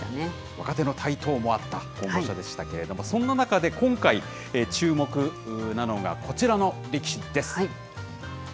若手の台頭もあった今場所でしたけれども、そんな中で今回、注目なのがこちらの力士です。